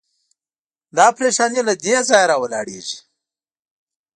دا پرېشاني له دې ځایه راولاړېږي.